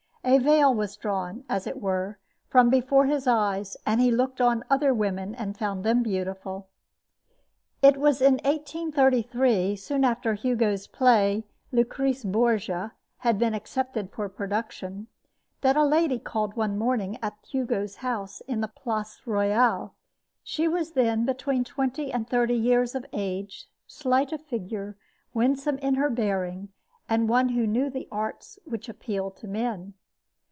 A veil was drawn, as it were, from before his eyes, and he looked on other women and found them beautiful. It was in 1833, soon after Hugo's play "Lucrece Borgia" had been accepted for production, that a lady called one morning at Hugo's house in the Place Royale. She was then between twenty and thirty years of age, slight of figure, winsome in her bearing, and one who knew the arts which appeal to men.